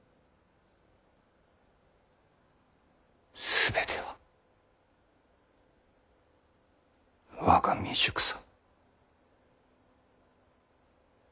全ては我が未熟さ。